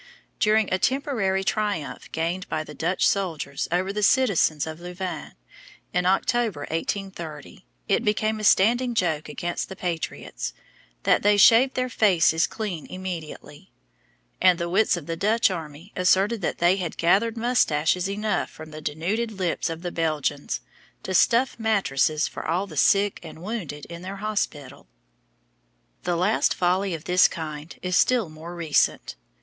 During a temporary triumph gained by the Dutch soldiers over the citizens of Louvain, in October 1830, it became a standing joke against the patriots, that they shaved their faces clean immediately; and the wits of the Dutch army asserted that they had gathered moustaches enough from the denuded lips of the Belgians to stuff mattresses for all the sick and wounded in their hospital. The last folly of this kind is still more recent.